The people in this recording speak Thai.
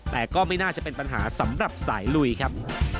แต่ก็ไม่น่าจะเป็นปัญหาสำหรับสายลุยครับ